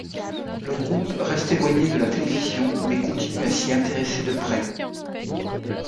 Le groupe reste éloigné de la télévision mais continue à s'y intéresser de près.